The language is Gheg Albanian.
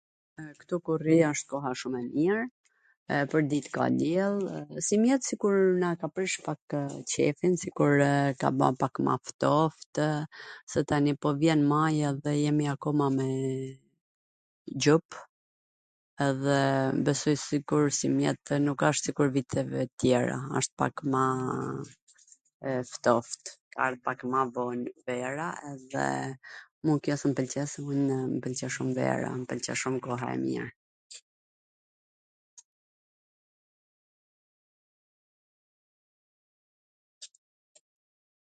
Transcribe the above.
Ktu ku rri wsht koha shum e mir, pwrdit ka diell, edhe simjet sikurw na e ka prish pakw qefin, sikurw ka ba pak ma ftoftw, se tani po vjen maji edhe jemi akoma me xhup, edhe besoj sikur simjet nuk asht sikur viteve tjera, asht pak ma ftoft, ka ardh pak ma von vera dhe mu kjo smw pwlqen dhe m pwlqe shum vera, shum koha e mir.